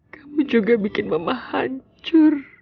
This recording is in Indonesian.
kamu juga bikin mama hancur